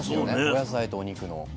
お野菜とお肉の。